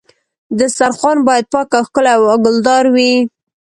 دسترخوان باید پاک او ښکلی او ګلدار وي.